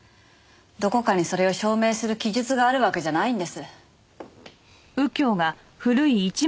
どこかにそれを証明する記述があるわけじゃないんです。